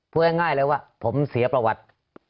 พูดง่ายเลยว่าผมเสียประวัติ